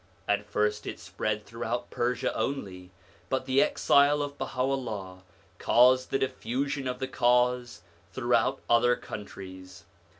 At first it spread throughout Persia only, but the exile of Baha'u'llah caused the diffusion of the Cause through out other countries.